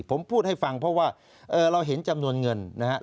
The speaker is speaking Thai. ผมพูดให้ฟังเพราะว่าเราเห็นจำนวนเงินนะครับ